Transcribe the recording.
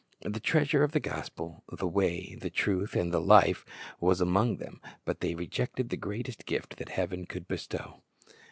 The treasure of the gospel, the Way, the Truth, and the Life, was among them, but they rejected the greatest gift that heaven could bestow.